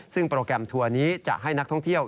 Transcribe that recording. ซึ่งโปรแกรมทัวร์นี้จะให้นักท่องเที่ยว